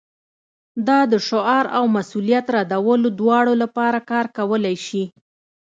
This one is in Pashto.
دا د شعار او مسؤلیت ردولو دواړو لپاره کار کولی شي